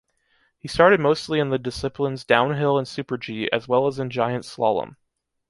He started mostly in the disciplines Downhill and Super-G as well as in Giant slalom.